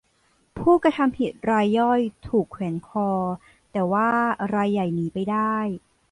ผู้กระทำผิดรายย่อยถูกแขวนคอ แต่ว่ารายใหญ่หนีไปได้